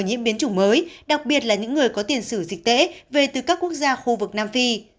nhiễm biến chủng mới đặc biệt là những người có tiền sử dịch tễ về từ các quốc gia khu vực nam phi